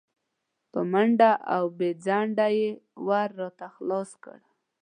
په منډه او بې ځنډه یې ور راته خلاص کړ.